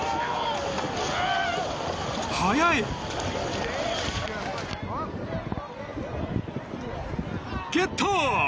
速い！ゲット！